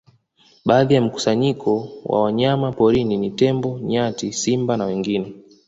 Baadhi ya mkusanyiko wa wanyama pori ni tembo nyati simba na wengine